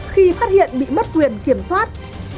khi phát hiện bị mất quyền kiểm soát